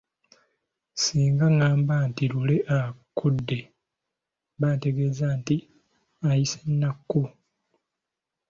Singa ngamba nti lule akudde, mba ntegeeza nti ayise “nakku”.